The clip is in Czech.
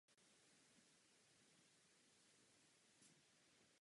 Spojuje zde několik izraelských zemědělských osad a palestinské vesnice.